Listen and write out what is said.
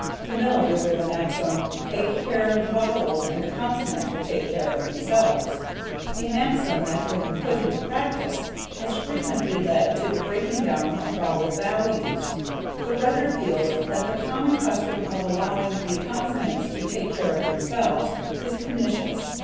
Familiar with the maxim, "Take care of the vowels and the consonants will take care of themselves," a maxim that when put into practise has frequently led to the breaking down of vowel values the writer feels that the common custom of allowing "the consonants to take care of themselves" is pernicious.